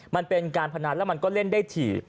มันเป็นการพนันแล้วมันก็เล่นได้ถี่